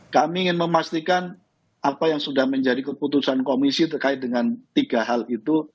kami ingin memastikan apa yang sudah menjadi keputusan komisi terkait dengan tiga hal itu